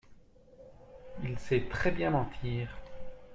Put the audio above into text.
Il sait très bien mentir.